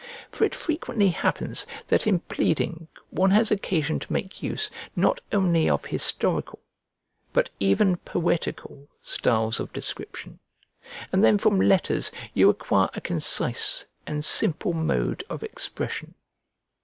For it frequently happens that in pleading one has occasion to make use not only of historical, but even poetical, styles of description; and then from letters you acquire a concise and simple mode of expression.